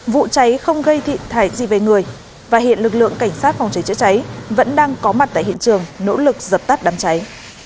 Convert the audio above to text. vụ cháy không gây thiệt hại gì về người và hiện lực lượng cảnh sát phòng cháy chữa cháy vẫn đang có mặt tại hiện trường nỗ lực dập tắt đám cháy